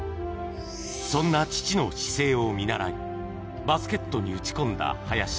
そんな父の姿勢を見習い、バスケットに打ち込んだ林。